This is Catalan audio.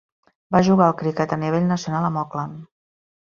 Va jugar al cricket a nivell nacional amb Auckland.